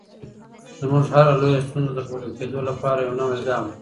زموږ هره لویه ستونزه د پورته کېدو لپاره یو نوی ګام دی.